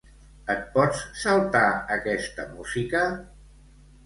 Et pots saltar aquesta música?